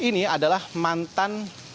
f ini adalah mantan vanessa engels